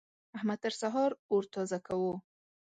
احمد تر سهار اور تازه کاوو.